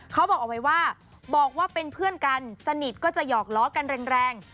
เขาบอกเอาไว้ว่าบอกว่าเป็นเพื่อนกันสนิทก็จะหอกล้อกันแรง